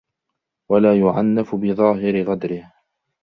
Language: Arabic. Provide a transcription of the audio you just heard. وَلَا يُعَنَّفُ بِظَاهِرِ غَدْرِهِ